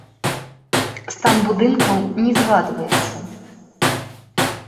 Стан будынкаў не згадваецца.